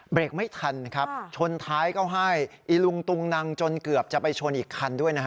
เบรกไม่ทันครับชนท้ายเขาให้อีลุงตุงนังจนเกือบจะไปชนอีกคันด้วยนะฮะ